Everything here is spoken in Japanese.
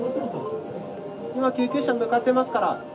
今、救急車向かっていますから。